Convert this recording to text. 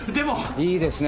いいですね。